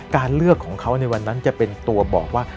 การเลือกของเขาในวันนั้นจะเป็นตัวบอกว่า